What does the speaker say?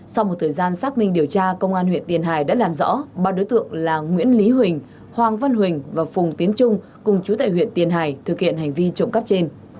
sau một thời gian xác minh điều tra công an huyện tiền hải đã làm rõ ba đối tượng là nguyễn lý huỳnh hoàng văn huỳnh và phùng tiến trung cùng chú tại huyện tiền hải thực hiện hành vi trộm cắp trên